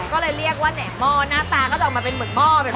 ก็เลยเรียกว่าแหนบหม้อหน้าตาก็จะออกมาเป็นเหมือนหม้อแบบนี้